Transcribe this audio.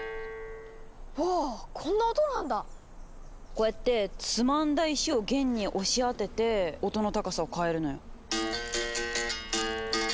こうやってつまんだ石を弦に押し当てて音の高さを変えるのよ。